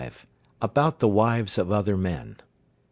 = PART V. ABOUT THE WIVES OF OTHER MEN.